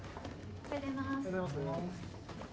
おはようございます。